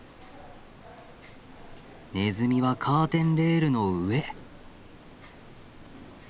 ネズミはカーテンレールの上。